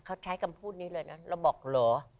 เขาใช้คำพูดนี้เลยนะเราบอกเหรอ